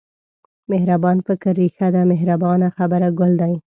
مهربان فکر رېښه ده مهربانه خبره ګل دی.